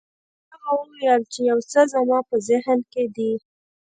هغه وویل چې یو څه زما په ذهن کې دي.